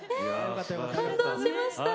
感動しました。